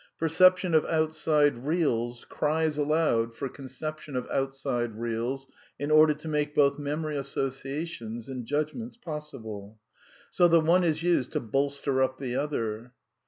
Perception of outside reals cries aloud THE NEW KEALISM 228 for cQucgEtion of outside reals in order to make both mem ory associations and judgments possible. So the one is used to bolster up the other.